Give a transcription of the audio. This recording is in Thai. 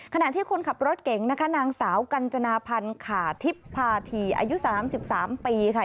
ขณะที่คนขับรถเก๋งนะคะนางสาวกัญจนาพันธ์ขาทิพย์พาธีอายุ๓๓ปีค่ะ